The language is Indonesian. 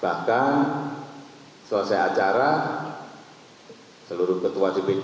bahkan selesai acara seluruh ketua dpd